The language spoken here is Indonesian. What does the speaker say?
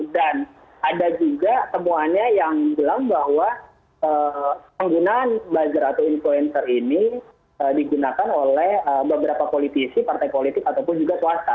dan ada juga temuannya yang bilang bahwa penggunaan buzzer atau influencer ini digunakan oleh beberapa politisi partai politik ataupun juga swasta